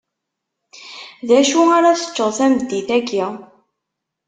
Dacu ara teččeḍ tameddit-aki?